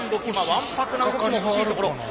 わんぱくな動きも欲しいところ。